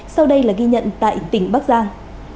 sau đây là ghi nhận tại tỉnh bắc giang